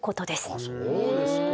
あっそうですか。